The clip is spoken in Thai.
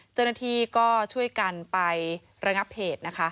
เจ้าหน้าที่ก็ช่วยกันไประงับเหตุนะคะ